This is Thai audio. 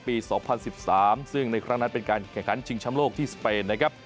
๒๐๑๓ซึ่งในครั้งนั้นเป็นการแข่งขันชิงช้ำโลกที่สเปนนะครับ